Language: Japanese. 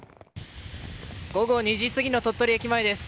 午後２時過ぎの鳥取駅前です。